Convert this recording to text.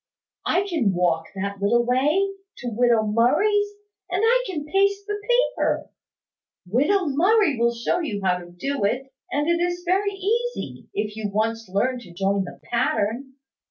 I can walk that little way, to widow Murray's; and I can paste the paper. Widow Murray will show you how to do it; and it is very easy, if you once learn to join the pattern.